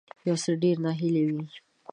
یو څه ډیر ناهیلی وي